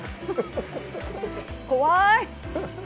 怖い。